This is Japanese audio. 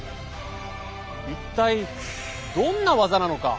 一体どんな技なのか？